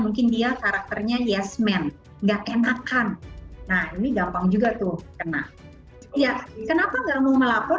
mungkin dia karakternya yes man enggak enakan nah ini gampang juga tuh kena ya kenapa enggak mau melapor